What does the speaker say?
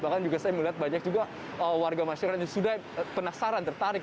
bahkan juga saya melihat banyak juga warga masyarakat yang sudah penasaran tertarik